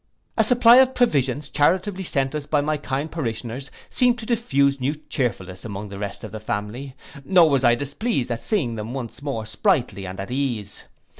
A supply of provisions, charitably sent us by my kind parishioners, seemed to diffuse new cheerfulness amongst the rest of the family, nor was I displeased at seeing them once more sprightly and at ease.